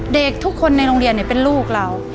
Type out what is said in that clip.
เด็กทุกคนในโรงเรียนเป็นลูกเรา